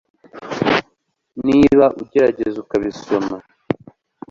niba ugerageza ukabisoma